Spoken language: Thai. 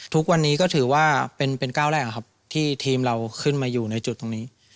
ทุกวันนี้ก็ถือว่าเป็นก้าวแรกครับที่ทีมเราขึ้นมาอยู่ในจุดตรงนี้